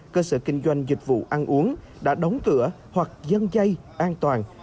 cơ sở kinh doanh dịch vụ ăn uống đã đóng cửa hoặc dân dây an toàn